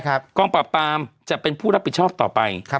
กองปราบปรามจะเป็นผู้รับผิดชอบต่อไป